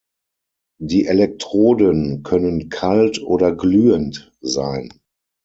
Die Elektroden können „kalt“ oder glühend sein.